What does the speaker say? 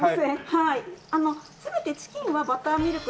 はい。